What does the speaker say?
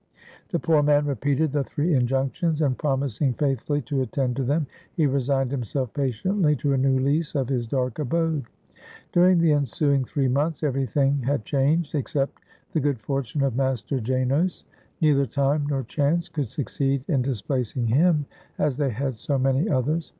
'" The poor man repeated the three injunctions, and 364 THE UNLUCKY WEATHERCOCK promising faithfully to attend to them, he resigned him self patiently to a new lease of his dark abode. During the ensuing three months, everything had changed except the good fortune of Master Janos. Neither time nor chance could succeed in displacing him, as they had so many others.